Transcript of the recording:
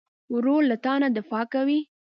ورور له تا نه دفاع کوي.